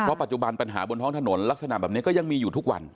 ปัจจุบันปัญหาบนท้องถนนลักษณะแบบนี้ก็ยังมีอยู่ทุกวัน